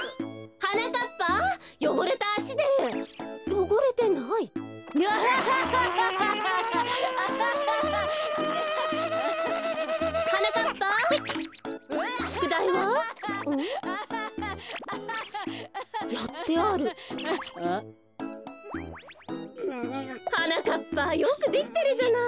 はなかっぱよくできてるじゃない。